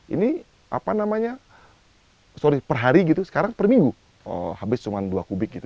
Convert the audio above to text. ini apa namanya sorry per hari gitu sekarang per minggu habis cuma dua kubik gitu